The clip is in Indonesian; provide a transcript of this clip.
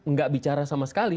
nggak bicara sama sekali